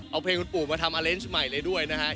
เอาเพลงคุณปู่มาทำอเลนส์ใหม่เลยด้วยนะฮะ